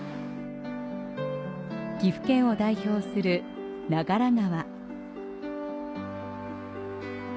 岐阜県を代表する長良川。